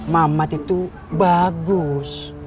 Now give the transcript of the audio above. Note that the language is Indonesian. mamat itu bagus